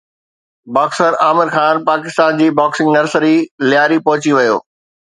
boxer Amir Khan Pakistan جي boxing nursery Lyari پهچي ويو